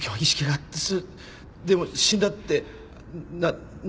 でも死んだってなな。